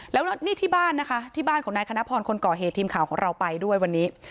แล้วนี่ที่บ้านนะคะที่บ้านของนายคณพรคนก่อเหตุทีมข่าวของเราไปด้วยวันนี้